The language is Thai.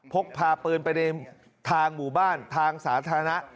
พกพาปืนไปในทางหมู่บ้านทางสาธารณะ